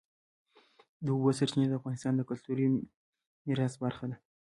د اوبو سرچینې د افغانستان د کلتوري میراث برخه ده.